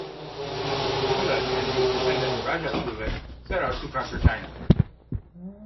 Shulan and his descendant Raja Chulan set out to conquer China.